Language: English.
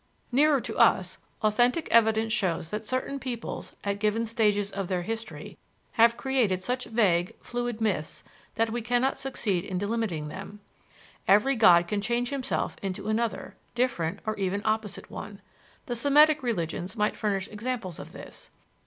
Nearer to us, authentic evidence shows that certain peoples, at given stages of their history, have created such vague, fluid myths, that we cannot succeed in delimiting them. Every god can change himself into another, different, or even opposite, one. The Semitic religions might furnish examples of this.